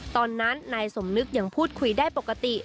ตอนนั้นนายสมนึกยังพูดคุยได้ปกติ